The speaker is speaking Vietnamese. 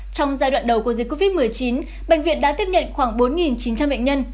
trong giai đoạn đầu của dịch covid một mươi chín bệnh viện đã tiếp nhận khoảng bốn chín trăm linh bệnh nhân